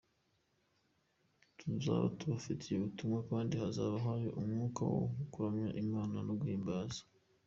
Tuzaba tubafitiye ubutumwa kandi hazaba hari umwuka wo kuramya Imana no kuyihimbaza.